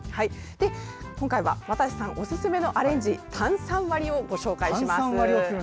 今回は渡瀬さんおすすめのアレンジ炭酸割りをご紹介します。